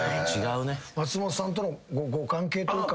松本さんとのご関係というか。